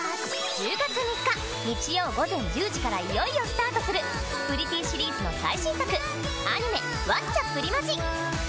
１０月３日日曜ごぜん１０時からいよいよスタートするプリティーシリーズの最新作アニメ『ワッチャプリマジ！』。